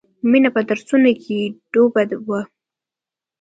مینه په درسونو کې ډوبه وه